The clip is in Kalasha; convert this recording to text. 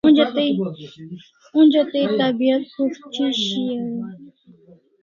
Onja tai tabiat prus't thi shiau e?